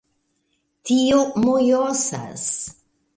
Tio mojosas...